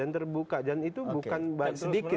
yang terbuka dan itu bukan sedikit